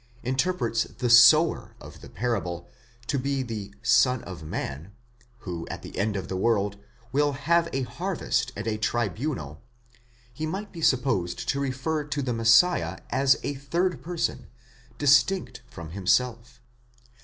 interprets the Sower of the parable to be the Son of Man, who at the end of the world will have a harvest and a tribunal, he might be supposed to refer to the Messiah as a third person distinct from himself.